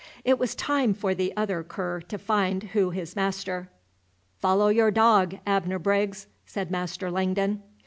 It was time for the other cur to find who his master. "Follow your dog, Abner Briggs!" said Master Langdon.